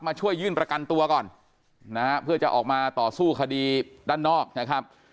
มาช่วยยื่นประกันตัวก่อนนะฮะเพื่อจะออกมาต่อสู้คดีด้านนอกนะครับ